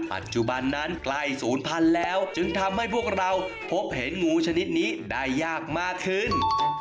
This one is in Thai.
ปัจจุบันนั้นใกล้ศูนย์พันธุ์แล้วจึงทำให้พวกเราพบเห็นงูชนิดนี้ได้ยากมากขึ้น